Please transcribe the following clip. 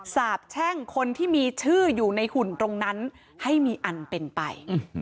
สาบแช่งคนที่มีชื่ออยู่ในหุ่นตรงนั้นให้มีอันเป็นไป